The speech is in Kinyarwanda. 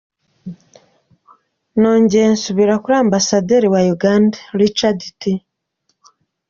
Nongeye nsubira kuri Ambasaderi wa Uganda, Richard T.